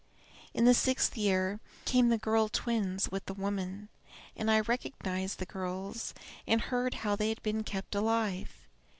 In the sixth year came the girl twins with the woman; and I recognized the girls, and heard how they had been kept alive.